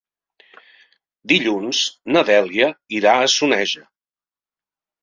Dilluns na Dèlia irà a Soneja.